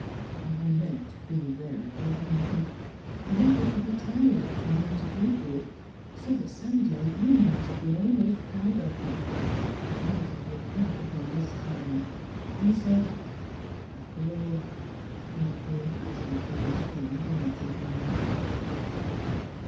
And I meant to be very good, Malcolm — never to be tired of trying to do good — so that some day you might have been almost proud of me; might have looked back u]ion this time and said, ' After all, I did not do an utterly foolish thing in letting her love me.'